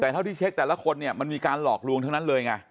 แต่เท่าที่เช็คแต่ละคนเนี่ยมันมีการหลอกลวงทั้งนั้นเลยไง